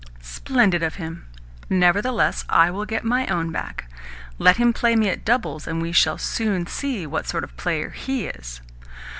"Splendid of him! Nevertheless I will get my own back. Let him play me at doubles, and we shall soon see what sort of a player he is!